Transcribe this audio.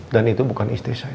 dan itu bukan istri saya